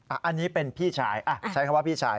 อันนี้เป็นพี่ชายใช้คำว่าพี่ชาย